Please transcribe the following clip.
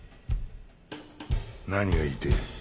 何が言いてえ？